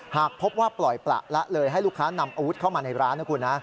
หากพบว่าปล่อยประละเลยให้ลูกค้านำอาวุธเข้ามาในร้านนะคุณนะ